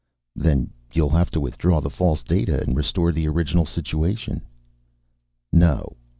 "Then you'll have to withdraw the false data and restore the original situation." "No."